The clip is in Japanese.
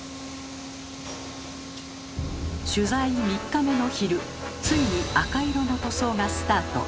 取材３日目の昼ついに赤色の塗装がスタート。